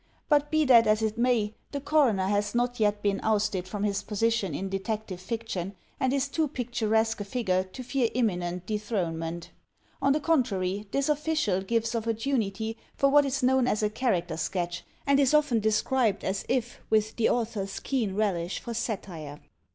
But be that as it may, the Coroner has not yet been ousted from his position in detective fiction, and is too picturesque a EVIDENCE 255 figure to fear imminent dethronement. On the contrary, this official gives opportunity for what is known as a character sketch, and is often described as if with the author's keen relish for satire.